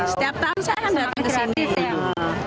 setiap tahun saya akan datang ke sini bilang